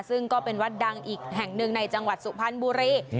ซึ่งก็เป็นวัดดังอีกแห่งหนึ่งในจังหวัดสุพรรณบุรี